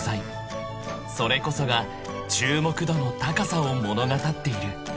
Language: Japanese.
［それこそが注目度の高さを物語っている］